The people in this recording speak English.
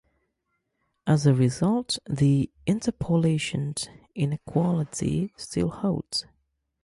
As a result, the interpolation inequality still holds.